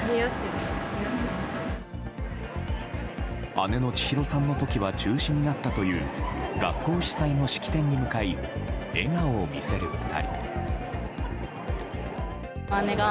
姉の千裕さんの時は中止になったという学校主催の式典に向かい笑顔を見せる２人。